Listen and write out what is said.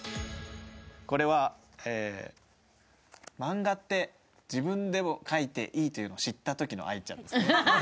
これはマンガって自分でも描いてもいいと知ったときの相ちゃんです。